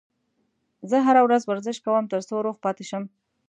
زه هره ورځ ورزش کوم ترڅو روغ پاتې شم